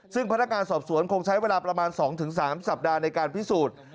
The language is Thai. ซึ่งพนักงานสอบสวนคงใช้เวลาประมาณ๒๓สัปดาห์ในการพิสูจน์